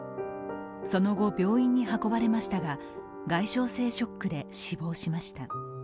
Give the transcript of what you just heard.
その後、病院に運ばれましたが、外傷性ショックで死亡しました。